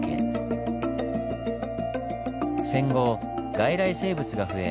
戦後外来生物が増え